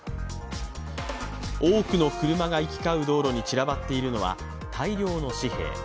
多くの車が行き交う道路に散らばっているのは大量の紙幣。